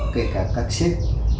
kể cả các sếp